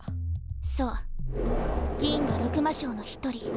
そう銀河六魔将の一人。